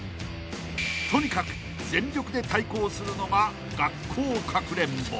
［とにかく全力で対抗するのが学校かくれんぼ］